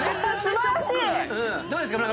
どうですか？